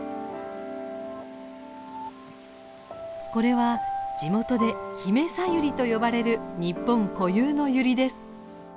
これは地元で「ヒメサユリ」と呼ばれる日本固有のユリです。